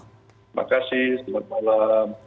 terima kasih selamat malam